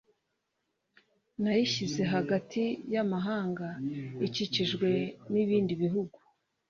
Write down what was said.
Nayishyize hagati y amahanga ikikijwe n ibindi bihugu